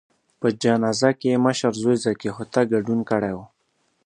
په جنازه کې یې مشر زوی ذکي هوتک ګډون کړی و.